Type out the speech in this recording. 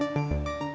kamu lagi di wc